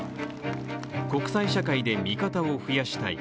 国際社会で味方を増やしたい